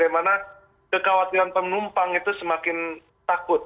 di mana kekhawatiran penumpang itu semakin takut